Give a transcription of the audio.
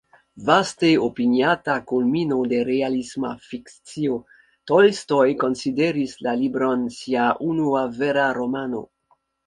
Vaste opiniata kulmino de realisma fikcio, Tolstoj konsideris la libron sia unua vera romano.